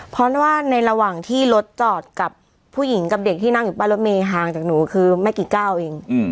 เพราะว่าในระหว่างที่รถจอดกับผู้หญิงกับเด็กที่นั่งอยู่บ้านรถเมย์ห่างจากหนูคือไม่กี่ก้าวเอง